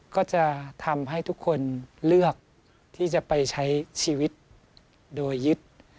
ก็จะทำให้ทุกคนเลือกที่จะไปใช้ชีวิตโดยยึด